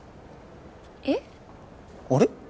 えっ？あれ？